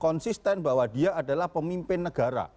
konsisten bahwa dia adalah pemimpin negara